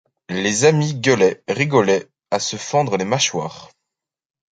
Les amis gueulaient, rigolaient à se fendre les mâchoires.